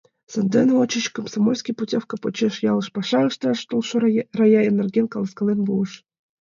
Сандене ончыч комсомольский путёвка почеш ялыш паша ышташ толшо Рая нерген каласкален пуыш.